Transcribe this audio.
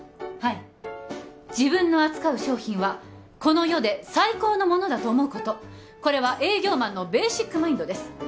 はい自分の扱う商品はこの世で最高のものだと思うことこれは営業マンのベーシックマインドです